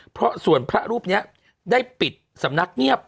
เพราะส่วนพระรูปนี้ได้ปิดสำนักเงียบ